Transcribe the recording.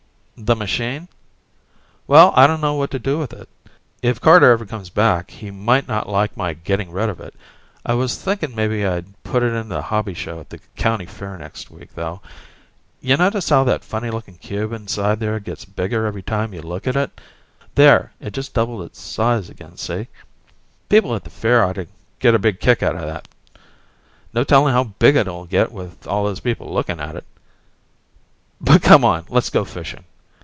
The machine? Well, I dunno what to do with it. If Carter ever comes back he might not like my getting rid of it. I was thinking mebbe I'd put it in the hobby show at the county fair next week, though. Ya notice how that funny looking cube inside there gets bigger every time you look at it? There ... it just doubled its size again, see? People at the fair oughtta get a big kick outta that. No telling how big it'll get with all those people looking at it. But come on, let's go fishing.